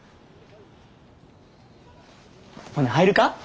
ほな入るか？